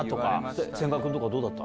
千賀君とかどうだった？